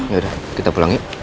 yaudah kita pulang yuk